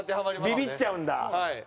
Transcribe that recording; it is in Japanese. ビビっちゃうんだ。